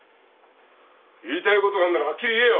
言いたいことがあんならはっきり言えよ。